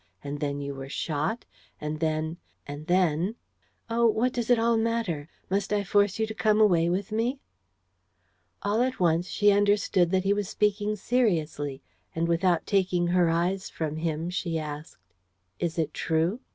. and then you were shot ... and then ... and then ... Oh, what does it all matter? Must I force you to come away with me?" All at once she understood that he was speaking seriously; and, without taking her eyes from him, she asked: "Is it true?